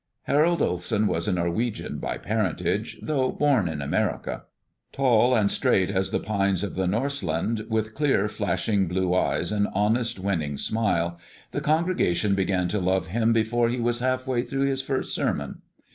Harold Olsen was a Norwegian by parentage, though born in America. Tall and straight as the pines of the Norseland, with clear, flashing blue eyes and honest, winning smile, the congregation began to love him before he was half through his first sermon.